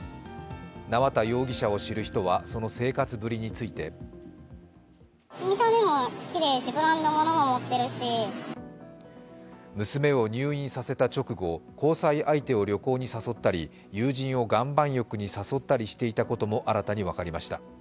縄田容疑者を知る人はその生活ぶりについて娘を入院させた直後交際相手を旅行に誘ったり友人を岩盤浴に誘ったりしていたことも新たに分かりました。